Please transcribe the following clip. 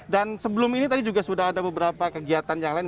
dan sebelum ini tadi juga sudah ada beberapa kegiatan yang lain